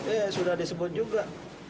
eh sudah disebut juga